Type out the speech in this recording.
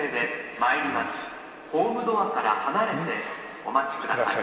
「ホームドアから離れてお待ちください」